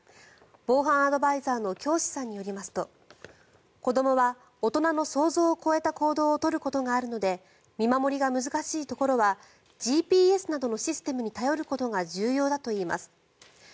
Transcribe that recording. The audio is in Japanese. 防犯アドバイザーの京師さんによりますと子どもは大人の想像を超えた行動を取ることがあるので見守りが難しいところはＧＰＳなどのシステムに頼ることが重要だといいます。